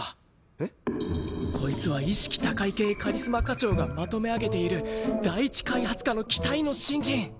えっ？こいつは意識高い系カリスマ課長がまとめ上げている第一開発課の期待の新人。